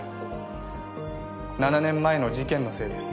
７年前の事件のせいです。